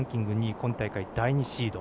今大会第２シード。